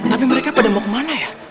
tapi mereka pada mau ke mana ya